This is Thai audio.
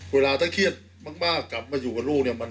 เวลาถ้าเครียดมากกลับมาอยู่กับลูกเนี่ย